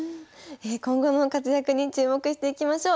今後の活躍に注目していきましょう。